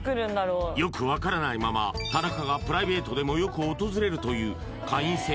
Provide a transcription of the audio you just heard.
よく分からないまま田中がプライベートでもよく訪れるという会員制